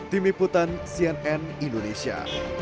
tim iputan cnn indonesia